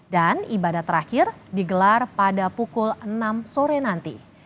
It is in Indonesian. dan ibadah terakhir digelar pada pukul enam sore nanti